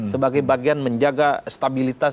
sebagai bagian menjaga stabilitas